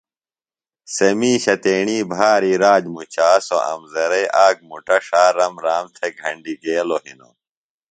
سےۡ میشہ تیݨی بھاری راج مُچا سوۡ امزرئیۡ آک مُٹہ ݜا رمرام تھےۡ گھنڈیۡ گیلوۡ ہِنوۡ